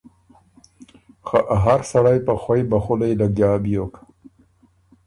خه ا هر سړئ په خوئ بخولئ لګیا بیوک